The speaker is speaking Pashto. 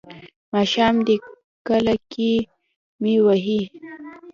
ماښام دی کاله کې مې وهي.